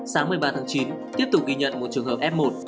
sáng một mươi ba tháng chín tiếp tục ghi nhận một trường hợp f một